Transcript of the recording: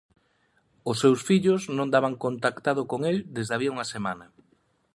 Os seus fillos non daban contactado con el desde había unha semana.